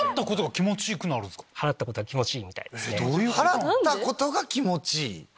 払ったことが気持ちいい？